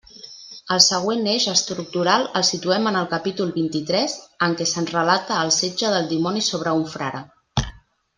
El següent eix estructural el situem en el capítol vint-i-tres, en què se'ns relata el setge del dimoni sobre un frare.